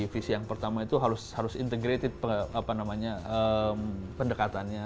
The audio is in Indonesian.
visi yang pertama itu harus integrated pendekatannya